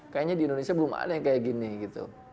kayaknya di indonesia belum ada yang kayak gini